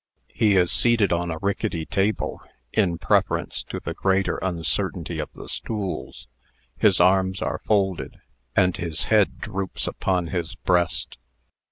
He is seated on a rickety table (in preference to the greater uncertainty of the stools), his arms are folded, and his head droops upon his breast.